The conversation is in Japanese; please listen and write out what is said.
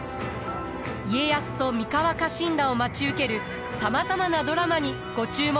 家康と三河家臣団を待ち受けるさまざまなドラマにご注目ください。